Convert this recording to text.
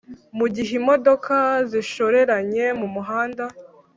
Mu gihe imodoka zishoreranye mu muhanda